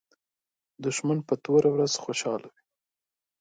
دښمن په توره ورځ خوشاله وي